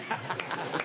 ハハハ！